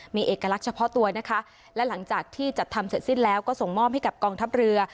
มีเอกลักษณ์เฉพาะตัวนะคะและหลังจากที่จัดทำเสร็จสิ้นแล้วก็ส่งมอบให้กับกองทัพเรือ